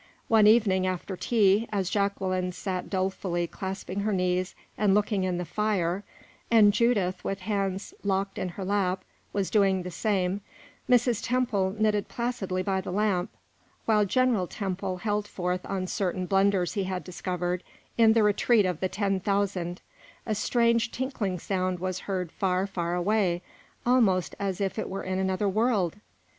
One evening, after tea, as Jacqueline sat dolefully clasping her knees and looking in the fire, and Judith, with hands locked in her lap, was doing the same; Mrs. Temple knitting placidly by the lamp, while General Temple held forth on certain blunders he had discovered in the Retreat of the Ten Thousand a strange tinkling sound was heard far far away almost as if it were in another world!